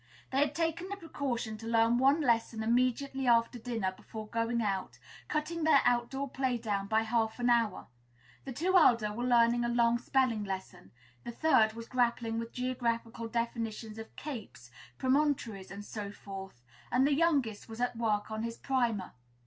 They had taken the precaution to learn one lesson immediately after dinner, before going out, cutting their out door play down by half an hour. The two elder were learning a long spelling lesson; the third was grappling with geographical definitions of capes, promontories, and so forth; and the youngest was at work on his primer.